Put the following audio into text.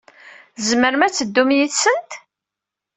Tzemrem ad teddum yid-sent.